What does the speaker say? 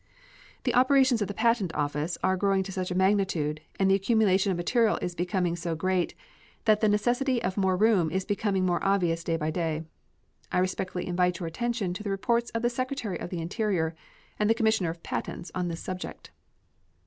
The operations of the Patent Office are growing to such a magnitude and the accumulation of material is becoming so great that the necessity of more room is becoming more obvious day by day. I respectfully invite your attention to the reports of the Secretary of the Interior and Commissioner of Patents on this subject.